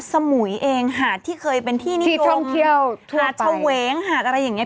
สมุยเองหาดที่เคยเป็นที่นิยมหาดเฉวงหาดอะไรอย่างเงี้